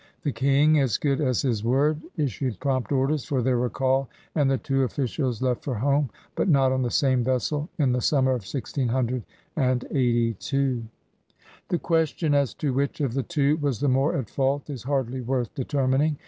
The King, as good as his word, issued prompt orders for their recall and the two officials left for home, but not on the same vessel, in the summer of 1682. The question as to which of the two was the more at fault is hardly worth determining.